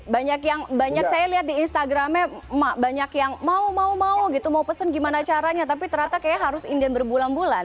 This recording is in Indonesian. banyak yang banyak saya lihat di instagramnya banyak yang mau mau mau gitu mau pesen gimana caranya tapi ternyata kayaknya harus inden berbulan bulan